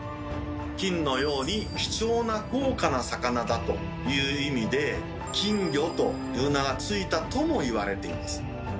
金のように貴重な高価な魚だという意味で金魚という名が付いたともいわれています。